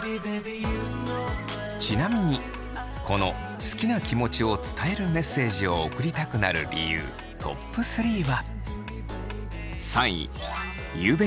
ちなみにこの好きな気持ちを伝えるメッセージを送りたくなる理由トップ３は。